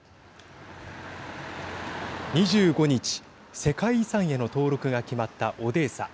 ２５日、世界遺産への登録が決まったオデーサ。